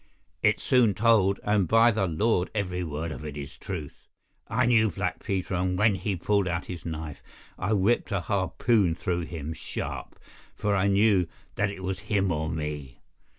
"It's soon told, and, by the Lord, every word of it is truth. I knew Black Peter, and when he pulled out his knife I whipped a harpoon through him sharp, for I knew that it was him or me.